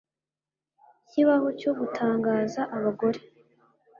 Ikibaho cyo gutangaza abagore